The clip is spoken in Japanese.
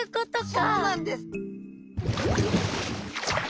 そうなんです。